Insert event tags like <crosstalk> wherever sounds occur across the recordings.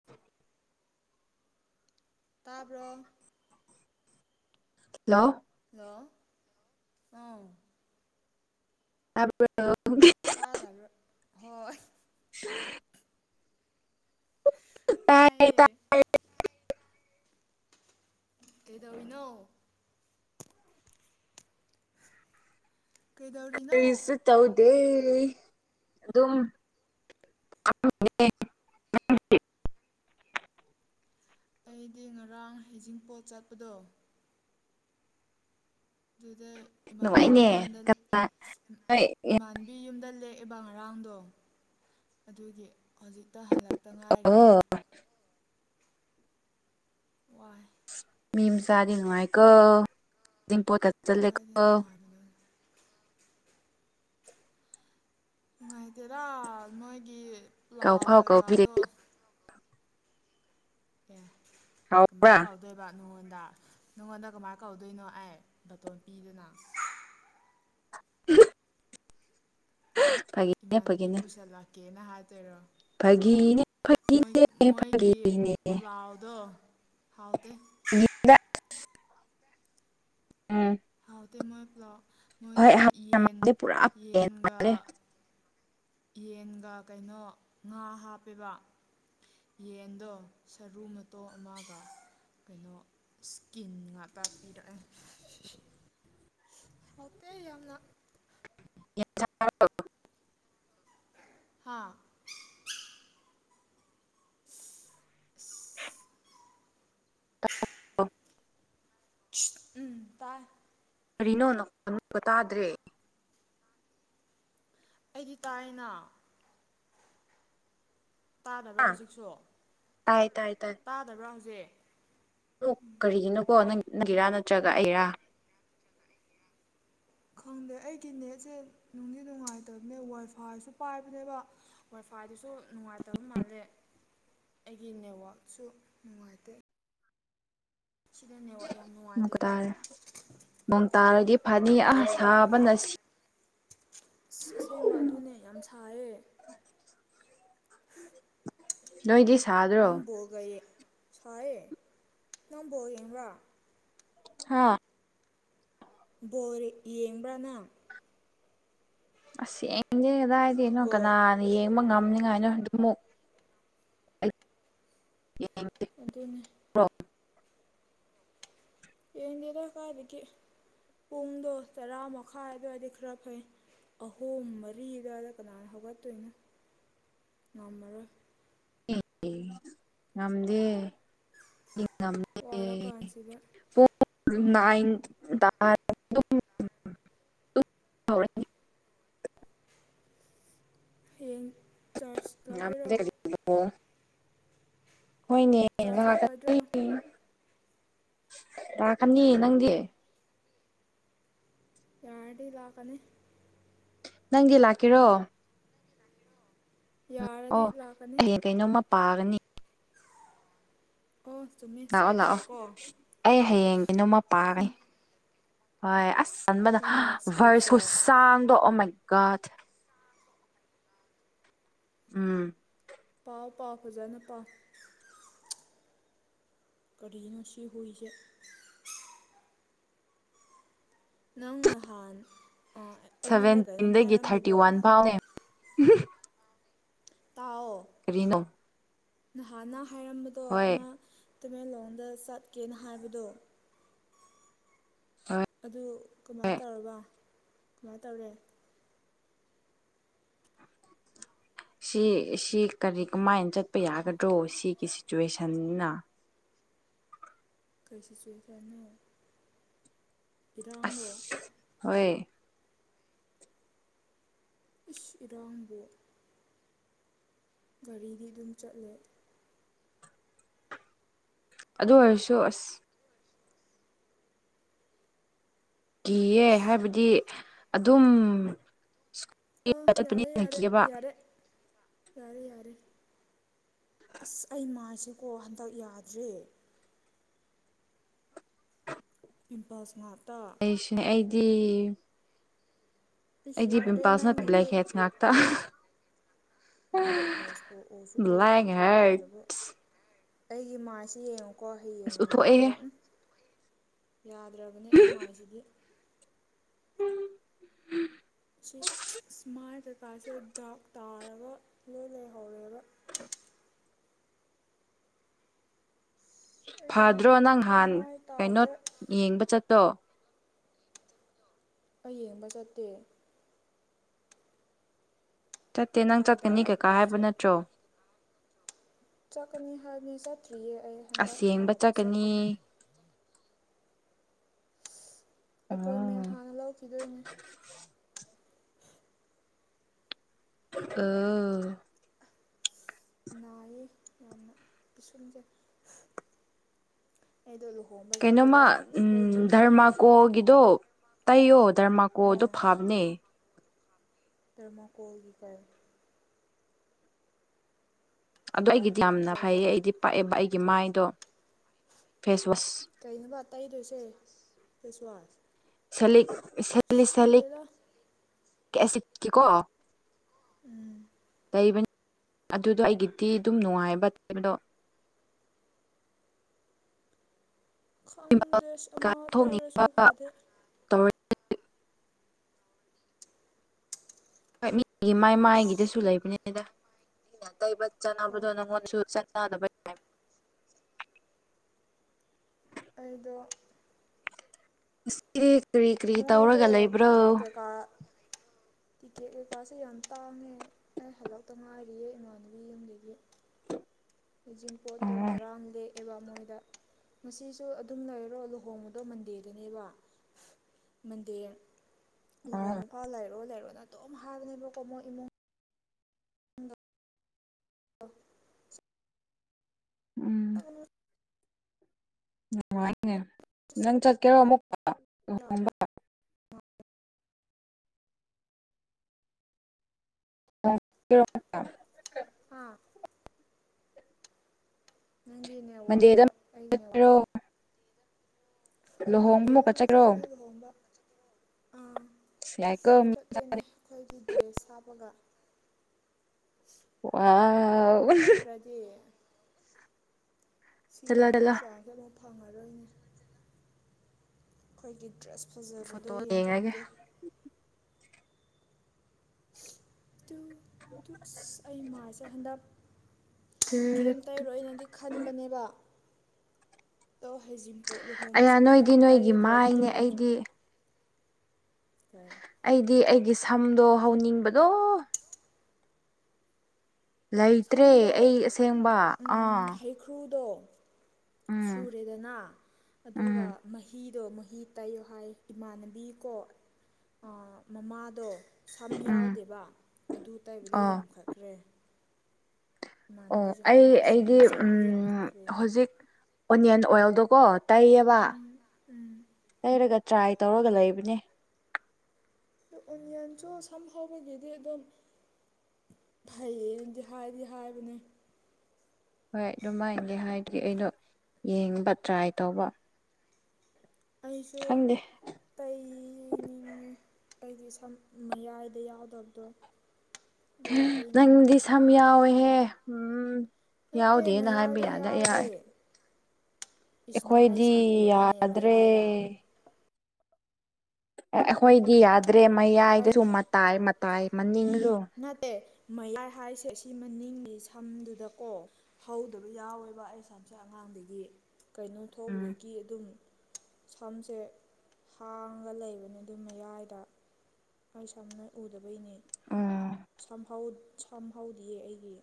<unintelligible> ꯇꯥꯕ꯭ꯔꯣ hello hello ꯑꯥꯎ <unintelligible> ꯇꯥꯗꯕ꯭ꯔꯣ ꯍꯣꯏ <unintelligible> <unintelligible> ꯇꯥꯏ ꯇꯥꯢꯌꯦ ꯇꯥꯏ <unintelligible> ꯀꯩꯗꯧꯔꯤꯅꯣ ꯀꯩꯗꯧꯔꯤꯅꯣ ꯀꯔꯤꯁꯨ ꯇꯧꯗꯦ ꯑꯗꯨꯝ <unintelligible> ꯑꯩꯗꯤ ꯉꯔꯥꯡ ꯍꯩꯖꯤꯡꯄꯣꯠ ꯆꯠꯄꯗꯣ ꯑꯗꯨꯗ ꯏꯃꯥꯟꯅꯕꯤ ꯅꯨꯡꯉꯥꯏꯅꯦ ꯌꯨꯝꯗ ꯀꯅꯥ ꯍꯣꯏ ꯏꯃꯥꯟ ꯕꯤ ꯌꯨꯝꯗ ꯂꯦꯛꯑꯦꯕ ꯉꯔꯥꯡꯗꯣ ꯑꯗꯨꯒꯤ ꯍꯧꯖꯤꯛꯇ ꯍꯜꯂꯛꯇ ꯉꯥꯏꯔꯤꯌꯦ ꯑꯣ ꯋꯥꯏ ꯃꯤ ꯃꯆꯥꯗꯤ ꯅꯨꯡꯉꯥꯏꯀꯣ ꯍꯩꯖꯤꯡꯄꯣꯠꯀ ꯀꯥꯏꯗꯩ ꯅꯨꯡꯉꯥꯏꯕꯅꯣ ꯅꯨꯡꯉꯥꯏꯇꯦꯗ ꯅꯣꯏꯒꯤ ꯀꯥꯎ ꯄ꯭ꯂꯥꯎ ꯐꯥꯎ ꯀꯥꯎꯕꯤꯔꯦ ꯀꯩꯀꯥꯗꯣ ꯑꯦ ꯀꯃꯥꯏ ꯍꯥꯎꯕ꯭ꯔꯥ ꯀꯥꯎ ꯗꯣꯏꯕ ꯅꯉꯣꯟꯗ ꯅꯪꯉꯣꯟꯗ ꯀꯃꯥꯏ ꯀꯧꯗꯣꯏꯅꯣ ꯑꯩ ꯕꯥꯇꯣꯟ ꯄꯤꯗꯅ <unintelligible> <unintelligible> ꯏꯃꯥꯟꯅꯕꯤ ꯐꯥꯒꯤꯅꯦ ꯄꯨꯁꯜꯂꯛꯀꯦꯅ ꯍꯥꯏꯗꯣꯏꯔꯣ ꯐꯥꯒꯤꯅꯦ ꯐꯥꯒꯤꯅꯦ ꯃꯣꯏ ꯃꯣꯏꯒꯤ ꯐꯥꯒꯤꯅꯦ ꯄ꯭ꯂꯥꯎꯗꯣ ꯍꯥꯎꯇꯦ <unintelligible> ꯎꯝ ꯍꯥꯎꯇꯦ ꯃꯣꯏ ꯄ꯭ꯂꯥꯎ ꯍꯣꯏ ꯃꯣꯏꯒꯤ ꯍꯋꯥꯏ ꯌꯦꯟ ꯃꯥꯜꯂꯦ ꯄꯨꯔꯥ ꯄ꯭ꯂꯦꯟ ꯌꯦꯟꯒ ꯃꯥꯜꯂꯦ ꯌꯦꯟꯒ ꯀꯩꯅꯣ ꯉꯥ ꯍꯥꯞꯄꯦꯕ ꯌꯦꯟꯗꯣ ꯁꯔꯨ ꯃꯇꯣ ꯑꯃꯒ ꯀꯩꯅꯣ ꯏꯁꯀꯤꯟ ꯉꯥꯠꯇꯥ ꯄꯤꯔꯛꯑꯦ ꯐꯠꯇꯦ ꯌꯥꯝꯅ <unintelligible> ꯍꯥꯥ <unintelligible> ꯎꯝ ꯇꯥꯏ ꯀꯔꯤꯅꯣ ꯅꯈꯣꯟ ꯇꯥꯗ꯭ꯔꯦ ꯑꯩꯗꯤ ꯇꯥꯏꯅ ꯇꯥꯗꯕ꯭ꯔꯥ ꯍꯥ? ꯍꯧꯖꯤꯛꯁꯨ ꯇꯥꯏ ꯇꯥꯏ ꯇꯥꯏ ꯇꯥꯗꯕ꯭ꯔꯥ ꯍꯧꯖꯤꯛ <unintelligible> ꯀꯔꯤꯒꯤꯅꯣꯀꯣ ꯅꯪ ꯅꯪꯒꯤꯔꯥ ꯅꯠꯇ꯭ꯔꯒ ꯑꯩꯔꯥ ꯈꯪꯗꯦ ꯑꯩꯒꯤ ꯅꯦꯠꯁꯦ ꯅꯨꯡꯗꯤ ꯅꯨꯡꯉꯥꯏꯇꯕꯅꯦ ꯋꯥꯏꯐꯥꯏꯁꯨ ꯄꯥꯏꯕꯅꯦꯕ ꯋꯥꯏꯐꯥꯏꯗꯨꯁꯨ ꯅꯨꯡꯉꯥꯏꯇꯕ ꯃꯥꯜꯂꯦ ꯑꯩꯒꯤ ꯅꯦꯠꯋꯥꯛꯁꯨ ꯅꯨꯡꯉꯥꯏꯇꯦ ꯁꯤꯗ ꯅꯦꯠꯋꯥꯛ ꯌꯥꯝ <unintelligible> ꯅꯨꯡꯉꯥꯏꯇꯦꯕ ꯇꯥꯔꯦ ꯅꯣꯡ ꯇꯥꯔꯗꯤ ꯐꯅꯤ ꯑ ꯁꯥꯕꯅ ꯁꯤ ꯑꯁ ꯑꯁꯦꯡꯕ ꯑꯗꯨꯅꯦ ꯌꯥꯝ ꯁꯥꯏꯌꯦ <inaudible> <inaudible> ꯅꯣꯏꯒꯤ ꯁꯥꯠ ꯅꯪ ꯕꯣꯜꯒ ꯌꯦ ꯁꯥꯏꯌꯦ ꯅꯪ ꯕꯣꯜ ꯌꯦꯡꯕ꯭ꯔꯥ ꯍꯥꯥ ꯕꯣꯜ ꯌꯦꯡꯕ꯭ꯔꯥ ꯅꯪ ꯑꯁ ꯌꯦꯡꯗꯦ ꯀꯗꯥꯏꯗꯩꯅꯣ ꯐꯨꯠꯕꯣꯜ ꯀꯅꯥꯅ ꯌꯦꯡꯕ ꯉꯝꯅꯤꯉꯥꯏꯅꯣ ꯑꯗꯨꯃꯨꯛ <unintelligible> ꯑꯗꯨꯅꯦ ꯌꯦꯡꯗꯦꯗ ꯀꯥꯏꯗꯒꯤ ꯄꯨꯡꯗꯣ ꯇꯔꯥ ꯃꯈꯥꯏ ꯑꯗ꯭ꯋꯥꯏꯗꯤ ꯈꯔ ꯐꯩ ꯑꯍꯨꯝ ꯃꯔꯤ ꯑꯗꯥꯏꯗ ꯀꯅꯥꯅ ꯍꯧꯒꯠꯇꯣꯏꯅꯣ ꯉꯝꯃꯔꯣꯏ <unintelligible> ꯉꯝꯗꯦ ꯋꯥꯔꯀꯥꯟꯁꯤꯗ <unintelligible> ꯅꯥꯏꯟ <unintelligible> ꯇꯨꯝ <unintelligible> ꯍꯌꯦꯡ ꯆꯔꯆ ꯂꯥꯛꯇꯣꯏꯔꯣ <unintelligible> ꯍꯣꯏꯅꯦ ꯆꯔꯆ ꯂꯥꯛꯀꯗ꯭ꯔꯣ ꯂꯥꯛꯀꯅꯤ ꯂꯥꯛꯀꯅꯤ ꯅꯪꯗꯤ ꯌꯥꯔꯇꯤ ꯂꯥꯛꯀꯅꯤ ꯅꯪꯒꯤ ꯂꯥꯛꯀꯦꯔꯣ ꯌꯥꯔꯗꯤ ꯑꯣ ꯂꯥꯛꯀꯅꯤ ꯍꯌꯦꯡ ꯀꯩꯅꯣꯝꯃ ꯄꯥꯒꯅꯤ꯫ ꯑꯣ ꯁꯨꯝꯃꯤ ꯂꯥꯛꯑꯣ ꯂꯥꯛꯑꯣ ꯑꯩ ꯍꯌꯦꯡꯒꯤ ꯅꯣꯡꯃ ꯄꯥꯒꯩ ꯍꯣꯏ ꯑꯁ ꯆꯟꯕꯗ ꯍꯣꯏꯅꯦ ꯚꯔꯁꯀꯨ ꯏꯁꯀ꯭ꯔꯤꯞꯆꯔ ꯆꯥꯡꯗꯣꯑ ꯑꯃꯒꯠ ꯎꯝ ꯄꯥꯎ ꯄꯥꯎ ꯐꯖꯅ ꯄꯥꯎ꯫ ꯀꯔꯤꯒꯤꯅꯣ ꯁꯤ ꯍꯨꯏꯁꯦ꯫ ꯅꯪ ꯅꯍꯥꯟ ꯑꯩꯉꯣꯟꯗ ꯀꯩꯅꯣꯝ ꯁꯚꯦꯟꯇꯤꯟꯗꯒꯤ ꯊꯥꯔꯇꯤ ꯍꯥꯏꯔꯝꯕꯗꯣ ꯋꯥꯟ <unintelligible> ꯇꯑꯣ ꯀꯔꯤꯅꯣ꯫ ꯅꯍꯥꯟꯅ ꯍꯥꯏꯔꯝꯕꯗꯣ ꯍꯣꯏ ꯑꯃ ꯇꯃꯦꯡꯂꯣꯡꯗ ꯆꯠꯀꯦꯅ ꯍꯥꯏꯕꯗꯣ ꯍꯣꯏ ꯑꯗꯨ ꯍꯣꯏ ꯀꯃꯥꯏꯅ ꯇꯧꯔꯕ ꯀꯃꯥꯏꯅ ꯇꯧꯔꯦ ꯁꯤ ꯁꯤ ꯀꯔꯤ ꯀꯃꯥꯏꯅ ꯆꯠꯄ ꯌꯥꯒꯗ꯭ꯔꯣ ꯁꯤꯒꯤ ꯁꯤꯆꯨꯋꯦꯁꯟꯅ꯫ ꯀꯈꯔꯤ ꯁꯤꯆꯨꯋꯦꯁꯦ ꯄꯔꯥꯡꯗꯣ ꯑꯁ ꯍꯣꯏ꯫ ꯏꯁ ꯏꯔꯥꯡꯕꯨ꯫ ꯒꯥꯔꯤꯗꯤ ꯑꯗꯨꯝ ꯆꯠꯂꯦ ꯑꯗꯨ ꯑꯣꯏꯔꯁꯨ ꯑꯁ꯫ ꯀꯤꯌꯦ ꯍꯥꯏꯕꯗꯤ ꯑꯗꯨꯝ ꯑ ꯌꯥꯔꯦ ꯆꯠꯄꯅꯤꯅ ꯌꯥꯔꯦ ꯀꯤꯑꯕ ꯌꯥꯔꯦ꯫ ꯌꯥꯔꯦ ꯌꯥꯔꯦ ꯑꯁ ꯑꯩ ꯃꯥꯏꯁꯦꯀꯣ ꯍꯟꯗꯛ ꯌꯥꯗ꯭ꯔꯦ ꯄꯤꯝꯄꯜꯁ ꯉꯛꯇ꯫ ꯑꯩꯁꯤꯅꯦ ꯑꯩꯗꯤ ꯄꯤꯁꯨ ꯑꯩꯗꯤ ꯌꯥꯗꯦ ꯄꯤꯝꯄꯜꯁ ꯅꯠꯇꯦ ꯅꯪꯒꯤꯗꯤ꯫ ꯕ꯭ꯂꯦꯛ ꯍꯦꯠꯁ ꯉꯥꯛꯇ ꯕ꯭ꯂꯦꯛ ꯍꯦꯁꯄꯨ ꯎꯁꯨ ꯕ꯭ꯂꯦꯛ ꯍꯦꯠ ꯎꯊꯣꯛꯇꯕꯗꯕꯨ꯫ ꯑꯩꯒꯤ ꯏꯃꯁꯤ ꯌꯦꯡꯉꯨꯀꯣ ꯑꯁ ꯍꯌꯦꯡ ꯎꯠꯊꯣꯛꯑꯦꯍꯦ ꯂꯥꯛꯄꯗ ꯎ ꯌꯥꯗ꯭ꯔꯕꯅꯦ ꯑꯩ ꯃꯥꯏꯁꯤꯗꯤ <unintelligible> ꯁꯤ ꯁꯃꯥꯏꯗ ꯀꯥꯁꯦ ꯗꯛꯇꯥꯔꯒ꯫ ꯣꯏ ꯂꯩꯍꯧꯔꯦꯕ ꯑꯩ ꯌꯥꯝ ꯐꯗ꯭ꯔꯣ ꯍꯩꯅꯗ꯭ꯔꯦ ꯅꯪꯍꯥꯟ ꯃꯥꯏ ꯀꯩꯅꯣ ꯇꯥꯕꯗ ꯌꯦꯡꯕ ꯆꯠꯇꯣ ꯑꯩ ꯌꯦꯡꯕ ꯆꯠꯇꯦ꯫ ꯆꯠꯇꯦ ꯅꯪ ꯀꯥꯏꯗ ꯆꯠꯀꯅꯤ ꯑꯩ ꯀꯩꯀꯥ ꯀꯥꯏ ꯍꯥꯏꯕ ꯆꯠ ꯅꯠꯇ꯭ꯔꯣ ꯆꯠꯀꯅꯤ ꯍꯥꯏꯕꯅꯤ ꯆꯠꯇ꯭ꯔꯤꯌꯦ ꯑꯩ ꯍꯟꯗꯛ ꯑꯁ ꯌꯦꯡꯕ ꯊꯥꯗ ꯆꯠꯀꯅꯤ꯫ ꯑ ꯑꯦꯄꯣꯏꯟꯃꯦꯟ ꯍꯥꯟꯅ ꯂꯧꯈꯤꯗꯣꯏꯅꯦ ꯑ ꯅꯥꯏꯌꯦ ꯌꯥꯝꯅ ꯏꯁꯨꯡꯖꯩ ꯑꯩꯗꯣ ꯂꯨꯍꯣꯡꯕ ꯆꯠꯕꯗ ꯑꯩꯈꯣꯏꯒꯤ ꯀꯣꯒꯤꯗꯣ ꯇꯩꯌꯣ ꯗꯔꯃꯥꯀꯣꯗꯣ ꯐꯥꯕꯅꯦ ꯊꯔꯃꯣꯀꯣꯜꯒꯤ ꯀ ꯑꯗꯣ ꯁꯤꯔꯥꯝ ꯑꯩꯒꯤꯗꯤ ꯌꯥꯝꯅ ꯐꯩꯌꯦ ꯃꯣꯏꯆꯔꯥꯏꯖꯔ ꯑꯩꯗꯤ ꯄꯥꯛꯑꯦꯕ ꯑꯩꯒꯤ ꯃꯥꯏꯗꯣ ꯐꯦꯁꯋꯥꯁ ꯀꯩꯅꯣꯕ ꯇꯩꯗꯣꯏꯁꯦ ꯐꯦꯁꯋꯥꯁ ꯑꯁ ꯁꯂꯤꯛꯦꯂꯤ ꯁꯂꯤꯛ ꯈꯪꯗꯦꯗ ꯀꯌꯥ ꯁꯤꯀꯤꯀꯣ ꯎꯝ ꯂꯩꯕꯅꯤ ꯑꯗꯨꯗꯣ ꯑꯩꯒꯤꯗꯤ ꯑꯗꯨꯝ ꯅꯨꯡꯉꯥꯏꯕꯕꯗꯣ ꯈꯪꯗꯦ ꯀꯥ ꯑꯃ ꯇꯥꯏꯔꯁꯨ ꯊꯣꯛꯅꯤꯡꯕ ꯐꯗꯦ ꯇꯧꯔ ꯍꯣꯏ ꯃꯤꯒꯤ ꯃꯥꯏ ꯃꯥꯏꯒꯤꯗꯁꯨ ꯑꯁ ꯂꯩꯕꯅꯦ ꯑꯗ ꯑꯩꯅ ꯇꯩꯕ ꯆꯥꯅꯕꯗꯣ ꯍꯣꯏ ꯅꯪꯉꯣꯟꯗꯁꯨ ꯆꯥꯟꯅꯗꯕ ꯌꯥꯏ ꯑꯩꯗꯣ ꯉꯁꯤ ꯀꯔꯤ ꯀꯔꯤ ꯃꯣꯏꯗꯣ ꯇꯧꯔꯒ ꯂꯩꯕ꯭ꯔꯣ ꯇꯤꯛꯀꯦꯠ ꯀꯩꯀꯥꯁꯦ ꯌꯥꯝ ꯇꯥꯡꯉꯦ ꯑꯩ ꯍꯜꯂꯛꯇ ꯉꯥꯏꯔꯤꯌꯦ ꯏꯃꯥꯟꯅꯕꯤ ꯌꯨꯝꯗꯒꯤ ꯍꯤꯖꯤꯡꯄꯣꯠꯇꯣ ꯑꯣ ꯉꯔꯥꯡꯗꯤ ꯂꯩꯕ ꯃꯣꯏꯗ ꯉꯁꯤꯁꯨ ꯑꯗꯨꯝ ꯂꯩꯔꯣ ꯂꯨꯍꯣꯡꯕꯗꯣ ꯃꯟꯗꯦꯗꯅꯦꯕ ꯃꯟꯗꯦ ꯑꯣ ꯂꯨꯍꯣꯡꯕꯐꯥꯎ ꯂꯩꯔꯣ ꯂꯩꯔꯣꯅ ꯑꯗꯨꯝ ꯍꯥꯏꯕꯅꯦꯕꯀꯣꯃꯣꯏ ꯏꯃꯨꯡ ꯑ ꯎꯝ ꯑꯈ <inaudible> ꯅꯨꯡꯉꯥꯏꯅꯦ ꯅꯪ ꯆꯠꯀꯦꯔꯣ ꯑꯃꯨꯛ ꯑ ꯑ ꯀꯔꯤ ꯍꯥꯥ ꯅꯪꯒꯤ ꯃꯟꯗꯦꯗ ꯅꯦꯠꯋꯥꯛꯂ ꯑꯩꯒꯤ ꯅꯦꯠꯋꯥꯛꯂ ꯆꯠꯀꯦꯔꯣ ꯂꯨꯍꯣꯡꯕ ꯃꯟꯗꯦꯗ ꯑꯃꯨꯛꯀ ꯑꯃꯨꯛ ꯆꯠꯀꯦꯔꯣ ꯆꯥꯠꯒꯅꯤ ꯂꯧꯍꯣꯡꯕ ꯑꯥ ꯌꯥꯏꯀꯣ ꯃꯤ ꯆꯠꯇꯣꯏꯅꯦ ꯑꯩꯈꯣꯏꯒꯤ ꯗ꯭ꯔꯦꯁ ꯍꯥꯞꯄꯒ ꯋꯥꯎ ꯁꯠꯇ꯭ꯔꯗꯤ ꯆꯠꯂꯣ ꯁꯤꯒꯨꯝꯕ ꯆꯠꯂꯣ ꯆꯥꯟꯁ ꯑꯃꯨꯛ ꯐꯪꯉꯔꯣꯏꯅꯤ ꯑꯩꯈꯣꯏꯒꯤ ꯗ꯭ꯔꯦꯁ ꯐꯖꯕꯗꯣ ꯐꯣꯇꯣ ꯌꯦꯡꯉꯒꯦ ꯌꯦꯡꯍꯟꯒꯦ ꯇꯨ ꯑꯩ ꯃꯥꯏꯁꯦ ꯍꯟꯗꯛ ꯀꯦꯝꯇ ꯇꯩꯔꯣꯏ ꯅꯗꯤ ꯈꯟꯕꯅꯦꯕ ꯑꯗꯣ ꯍꯩꯖꯤꯝ ꯄꯣꯠ ꯂꯨꯍꯣꯡꯕ ꯑꯌꯥ ꯆꯠꯄꯗ ꯅꯣꯏꯗꯤ ꯅꯣꯏꯒꯤ ꯇꯩꯗ꯭ꯔꯗꯤ ꯃꯥꯏꯅꯦ ꯌꯥꯗ꯭ꯔꯦ ꯑꯩꯗꯤ ꯇ ꯑꯩꯗꯤ ꯑꯩꯒꯤ ꯁꯝꯗꯣ ꯍꯧꯅꯤꯡꯕꯗꯣ ꯂꯩꯇ꯭ꯔꯦ ꯁꯝꯗꯣ ꯑꯩ ꯑꯁꯦꯡꯕ ꯎꯝ ꯑꯥ ꯎ꯭ꯔꯨꯗꯣ ꯎꯝ ꯁꯨꯔꯦꯗꯅ ꯎꯝ ꯑꯗꯨꯒ ꯃꯍꯤꯗꯣ ꯃꯍꯤ ꯇꯩꯌꯣ ꯍꯥꯏ ꯏꯃꯥꯟꯅꯕꯤꯀꯣ ꯃꯃꯥꯗꯣ ꯁꯝ ꯎꯝ ꯌꯥꯎꯗꯦꯕ ꯑꯗꯨ ꯇꯩꯕꯗꯩ ꯑꯥ ꯌꯥꯝꯈꯠꯈ꯭ꯔꯦ ꯑꯣ ꯏꯃꯥꯟꯅꯕꯤꯁꯨ ꯑꯩ ꯍꯥꯏꯅꯦ ꯑꯁꯤꯅ ꯑꯩꯗꯤ ꯎꯝ ꯃꯁꯝꯗꯣ ꯌꯥꯝꯈꯠꯈ꯭ꯔꯦꯅ ꯍꯧꯖꯤꯛ ꯑꯣꯅꯤꯌꯟ ꯑꯣꯏꯜꯗꯣꯀꯣ ꯇꯩꯌꯦꯕ ꯎꯝ ꯎꯝ ꯇꯩꯔꯒ ꯇ꯭ꯔꯥꯏ ꯇꯧꯔꯒ ꯂꯩꯕꯅꯦ ꯑꯗꯣ ꯑꯣꯅꯤꯌꯟꯁꯨ ꯁꯝ ꯍꯧꯕꯒꯤꯗꯤ ꯑꯗꯨꯝ꯫ ꯐꯩꯌꯦ ꯅꯗꯤ ꯍꯥꯏꯗꯤ ꯍꯥꯏꯕꯅꯦ ꯍꯣꯏ ꯑꯗꯨꯃꯥꯏꯅꯒꯗꯤ ꯍꯥꯏꯗꯤ ꯑꯩꯗꯣ ꯌꯦꯡꯕ ꯇ꯭ꯔꯥꯏ ꯇꯧꯕ ꯑꯩꯁꯨ ꯈꯪꯗꯦ ꯇꯩꯅꯤꯡꯉꯦ ꯑꯩꯒꯤ ꯁꯝ ꯃꯌꯥꯏꯗ ꯌꯥꯎꯗꯕꯗꯣ ꯑꯗꯨꯗ ꯇꯩꯅꯤꯡꯉꯦ ꯅꯪꯗꯤ ꯁꯝ ꯌꯥꯎꯋꯦꯍꯦ ꯎꯝ ꯅꯠꯇꯦ ꯌꯥꯎꯗꯦꯅ ꯍꯥꯏꯕ ꯃꯌꯥꯏꯗ ꯌꯥꯗ ꯑꯩꯌꯥ ꯌꯥꯎꯗꯦ ꯏꯁꯅ ꯑꯩ ꯑꯩꯈꯣꯏꯗꯤ ꯁꯝ ꯎꯔꯕꯅꯦ ꯌꯥꯗ꯭ꯔꯦ ꯃꯌꯥꯏꯗ ꯑꯩꯈꯣꯏꯗꯤ ꯌꯥꯗ꯭ꯔꯦ ꯑꯩ ꯃꯌꯥꯏꯗꯁꯨ ꯃꯇꯥꯏ ꯃꯇꯥꯏ ꯃꯅꯤꯗꯣ ꯅꯠꯇꯦ ꯃꯌꯥꯏ ꯍꯥꯏꯁꯦ ꯁꯤꯒꯤ ꯅꯤꯡꯒꯤ ꯁꯝ ꯃꯅꯤꯡꯗꯀꯣ ꯍꯧꯗꯕ ꯌꯥꯎꯋꯦꯕ ꯑꯩ ꯁꯝꯁꯦ ꯑꯉꯥꯡꯗꯒꯤ ꯀꯩꯅꯣ ꯎꯝ ꯊꯧꯕꯗꯒꯤ ꯑꯗꯨꯝ ꯁꯝꯁꯦ ꯍꯥꯡꯉꯒ ꯂꯩꯕꯅꯦ ꯑꯗꯨꯝ ꯃꯌꯥꯏꯗ ꯑꯩ ꯁꯝ ꯎꯗꯕꯩꯅꯦ ꯎꯝ ꯁꯝꯍꯧꯗꯤꯌꯦ ꯑꯩꯒꯤ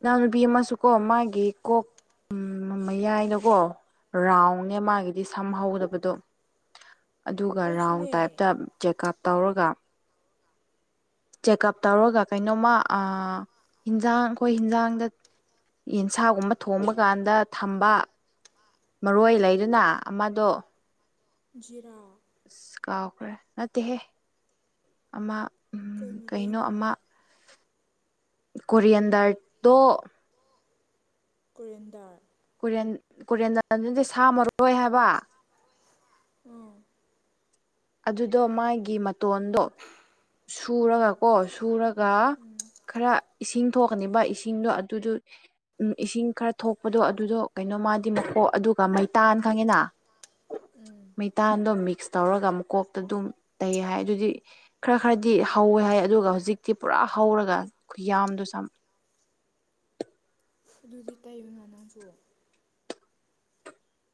ꯏꯅꯥꯎꯅꯨꯄꯤ ꯑꯃꯁꯨꯀꯣ ꯃꯥꯒꯤ ꯀꯣꯛ ꯃꯌꯥꯏꯗꯀꯣ ꯔꯥꯎꯅꯦ ꯃꯥꯒꯤꯗꯤ ꯁꯝꯍꯧꯗꯕꯗꯣ ꯑꯗꯨꯒ ꯔꯥꯎꯟ ꯑꯩꯁꯨꯅꯦ ꯇꯥꯏꯞꯇ ꯆꯦꯛꯀꯞ ꯇꯧꯔꯒ ꯆꯦꯛꯀꯞ ꯇꯧꯔꯒ ꯀꯩꯅꯣꯃ ꯍꯤꯟꯖꯥꯡ ꯑꯩꯈꯣꯏ ꯍꯤꯟꯖꯥꯡꯗ ꯌꯦꯟꯁꯥꯒꯨꯝꯕ ꯊꯣꯡꯕ ꯀꯥꯟꯗ ꯊꯝꯕ꯫ ꯃꯔꯣꯏ ꯂꯩꯗꯨꯅ ꯑꯃꯗꯣ꯫ ꯖꯤꯔꯥ꯫ ꯑꯁ ꯀꯥꯎꯈ꯭ꯔꯦ ꯅꯠꯇꯦꯍꯦ ꯑꯃ ꯀꯩ ꯀꯩꯅꯣ ꯃꯔꯣꯏꯅꯣ ꯑꯃ꯫ ꯀꯣꯔꯤꯌꯟ ꯗꯥꯔꯠꯇꯣ꯫ ꯀꯨꯔꯦꯟꯗꯥꯔ꯫ ꯀꯣꯔꯦꯟ ꯀꯣꯔꯦꯟꯗꯗꯨꯗꯤ ꯁꯥꯃꯔꯣꯏ ꯍꯥꯏꯕ꯫ ꯎꯝ꯫ ꯑꯗꯨꯗꯣ ꯃꯥꯒꯤ ꯃꯥꯟ꯫ ꯃꯇꯇꯣꯟꯗꯣ ꯁꯨꯔꯒ ꯎꯝ ꯀꯣ ꯁꯨꯔꯒ ꯎꯝ ꯈꯔ ꯏꯁꯤꯡ꯫ ꯊꯣꯛꯣꯛꯀꯅꯤꯕ ꯏꯁꯤꯡꯗꯣ ꯑꯗꯨꯗꯨ꯫ ꯎ ꯏꯁꯤꯡ ꯈꯔ ꯊꯣꯛꯄꯗꯣ ꯑꯗꯨꯗꯣ ꯀꯩꯅꯣꯃꯗꯤ ꯃꯀꯣꯛ ꯑꯗꯨꯒ ꯃꯩꯇꯥꯅ ꯈꯪꯉꯤꯅ꯫ ꯎꯝ ꯃꯩꯇꯜꯗꯣ ꯃꯤꯛꯁ ꯇꯧꯔꯒ ꯑꯃꯨꯛꯀꯣꯛꯇ ꯑꯗꯨꯝ ꯇꯩ ꯍꯥꯏ ꯑꯗꯨꯗꯤ꯫ ꯈꯔ ꯈꯔꯗꯤ ꯍꯧꯋꯦ ꯍꯥꯏ ꯑꯗꯨꯒ ꯍꯧꯖꯤꯛꯇꯤ ꯄꯨꯔꯥ ꯍꯧꯔꯒ ꯈꯨ ꯌꯥꯝꯗ ꯁ꯫ ꯑꯗꯨꯗꯤ ꯇꯩꯌꯨꯅ ꯅꯪꯁꯨ꯫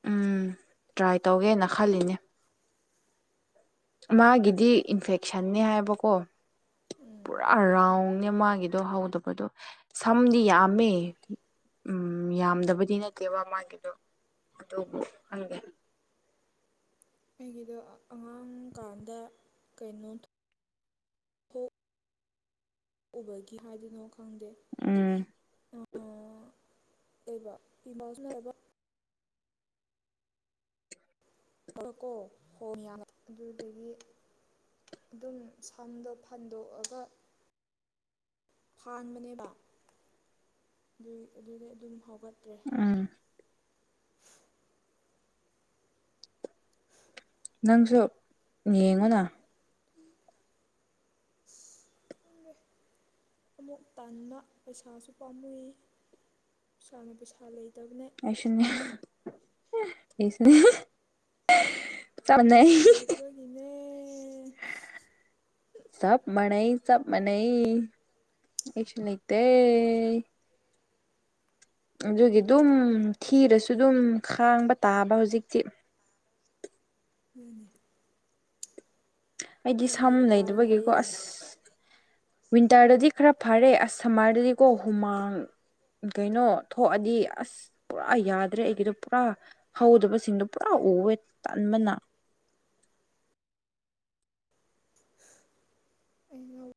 ꯎꯝ ꯇ꯭ꯔꯥꯏ ꯇꯧꯒꯦꯅ ꯈꯜꯂꯤꯅꯦ꯫ ꯃꯥꯒꯤꯗꯤ ꯏꯟꯐꯦꯛꯁꯟꯅꯦ ꯍꯥꯏꯕꯀꯣ꯫ ꯎꯝ ꯄꯨꯔꯥ ꯔꯥꯎꯟꯅꯦ ꯃꯥꯒꯤꯗꯣ ꯍꯧꯗꯕꯗꯣ ꯁꯝꯗꯤ ꯌꯥꯝꯃꯦ꯫ ꯎꯝ ꯌꯥꯝꯗꯕꯗꯤ ꯅꯠꯇꯦꯕ ꯃꯥꯒꯤꯗꯣ ꯑꯗꯨꯕꯨ ꯈꯪꯗꯦ꯫ ꯑꯩꯒꯤꯗꯣ ꯑꯉꯥꯡ ꯀꯥꯟꯗ ꯀꯩꯅꯣ꯫ ꯎꯕꯒꯤ ꯍꯥꯏꯗꯅꯣ ꯈꯪꯗꯦ꯫ ꯎꯝ꯫ ꯑꯣꯕ ꯏꯕꯥꯖ ꯂ ꯍꯥꯏꯕ꯫ ꯑ ꯀꯣ ꯍꯣꯌꯥ ꯑꯗꯨꯗꯒꯤ꯫ ꯑꯗꯨꯝ ꯁꯝꯗꯣ ꯐꯟꯗꯣꯛꯑꯒ꯫ ꯐꯥꯡꯕꯅꯦꯕ ꯑꯗꯨꯏ ꯑꯗꯨꯗꯩ ꯑꯗꯨꯝ ꯍꯧꯒꯠꯇ꯭ꯔꯦ꯫ ꯎꯝ꯫ ꯅꯪꯁꯨ ꯌꯦꯡꯉꯣꯅ꯫ ꯎ <unintelligible> ꯑꯃꯨꯛ ꯇꯟꯅ ꯄꯩꯁꯥꯁꯨ ꯄꯥꯝꯃꯨꯏ ꯏꯁꯥꯅ ꯄꯩꯁꯥ ꯂꯩꯇꯕꯅꯦ꯫ ꯑꯩꯁꯨꯅꯑꯩꯁꯨꯅꯤ꯫ ꯄꯩꯁꯥꯂꯩꯗꯕꯒꯤꯅꯦ꯫ ꯁꯞ ꯃꯅꯩ ꯁꯞ ꯃꯅꯩ ꯑꯩꯁꯨ ꯂꯩꯇꯦ꯫ ꯑꯗꯨꯒꯤ ꯑꯗꯨꯝ ꯊꯤꯔꯁꯨ ꯑꯗꯨꯝ ꯈꯥꯡꯕ ꯇꯥꯕ ꯍꯧꯖꯤꯛꯇꯤ꯫ ꯗꯨꯅꯤ꯫ ꯑꯩꯗꯤ ꯀꯔꯤ ꯁꯝ ꯎꯄꯥꯏ ꯂꯩꯗꯕꯒꯤꯀꯣ ꯂꯩ ꯑꯁ꯫ ꯋꯤꯟꯇꯔꯗꯗꯤ ꯈꯔ ꯐꯔꯦ ꯑꯁ ꯁꯝꯃꯔꯗꯗꯤꯀꯣ ꯍꯨꯃꯥꯡ꯫ ꯀꯩꯅꯣ ꯊꯣꯛꯑꯗꯤ ꯑꯁ꯫ ꯄꯨꯔꯥ ꯌꯥꯗ꯭ꯔꯦ ꯑꯩꯒꯤꯗꯣ ꯄꯨꯔꯥ ꯍꯧꯗꯕꯁꯤꯡꯗꯣ ꯄꯨꯔꯥ ꯎꯑꯦ ꯇꯟꯕꯅ꯫ ꯑꯩ ꯉꯥꯎ